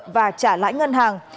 và trả lãi ngân hàng